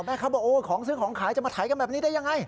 แม่ค้าบอกของซื้อของขายจะมาไถยจะได้อย่างไร